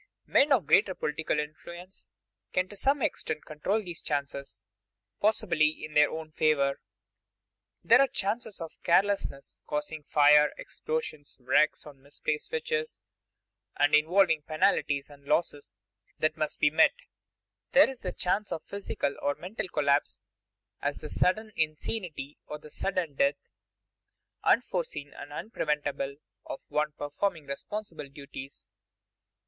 Men of greater political influence can to some extent control these chances, possibly in their own favor. There are chances of carelessness causing fire, explosions, wrecks on misplaced switches, and involving penalties and losses that must be met. There is the chance of physical or mental collapse, as the sudden insanity or the sudden death, unforeseen and unpreventable, of one performing responsible duties.